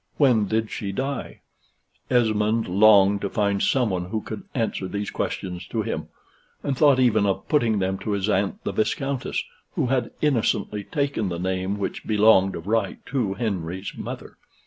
When did she die? Esmond longed to find some one who could answer these questions to him, and thought even of putting them to his aunt the Viscountess, who had innocently taken the name which belonged of right to Henry's mother.